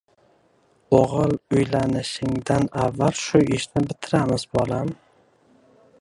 O‘g‘il uylashingdan avval shu ishni bitiramiz, bolam”